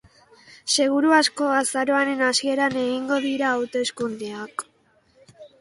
Seguru asko, azaroaren hasieran egingo dira hauteskundeak.